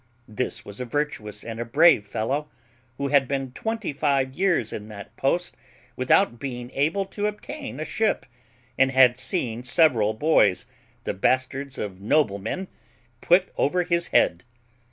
This was a virtuous and a brave fellow, who had been twenty five years in that post without being able to obtain a ship, and had seen several boys, the bastards of noblemen, put over his head.